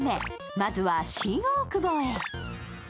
まずは新大久保へ。